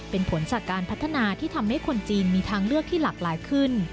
เป็นผลจากการพัฒนาที่ทำให้คนจีนมีทางเลือกที่หลากหลายขึ้น